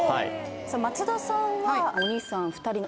松田さんはお兄さん２人の。